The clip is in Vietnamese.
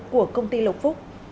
của công ty lộc phúc